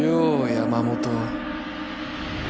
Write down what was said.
山本